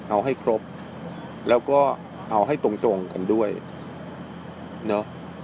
เอาให้ครบแล้วก็เอาให้ตรงกันด้วยเนอะ